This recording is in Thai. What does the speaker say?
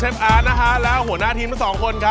เชฟนะคะแล้วหัวหน้าทีมสองคนค่ะ